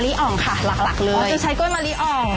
มะลิอองค่ะหลักเลยอ๋อจะใช้กล้วยมะลิออง